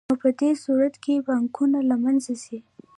نو په دې صورت کې بانکونه له منځه ځي